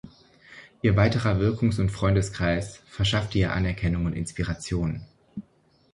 Ihr weiter Wirkungs- und Freundeskreis verschaffte ihr Anerkennung und Inspiration.